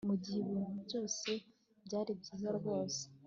mugihe ibintu byose byari byiza rwose